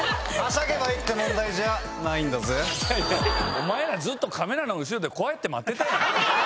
お前らずっとカメラの後ろでこうやって待ってたやん。